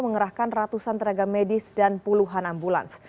mengerahkan ratusan tenaga medis dan puluhan ambulans